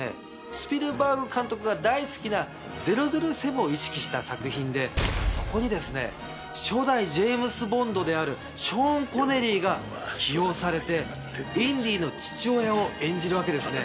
スピルバーグ監督が大好きな『００７』を意識した作品でそこにですね初代ジェームズ・ボンドであるショーン・コネリーが起用されてインディの父親を演じるわけですね。